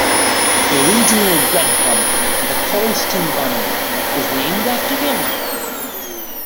A regional bread bun, the Colston bun, is named after him.